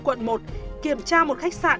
quận một kiểm tra một khách sạn